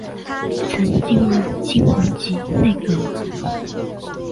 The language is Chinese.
曾进入金弘集内阁。